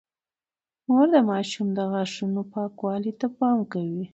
مور د ماشوم د غاښونو پاکوالي ته پام کوي۔